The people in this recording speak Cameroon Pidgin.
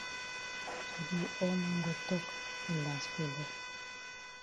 Today all man go tok yi las bele